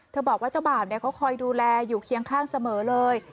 บอกว่าเจ้าบ่าวเขาคอยดูแลอยู่เคียงข้างเสมอเลย